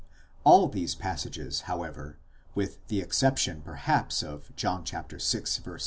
* All these passages, however, with the exception perhaps of John vi.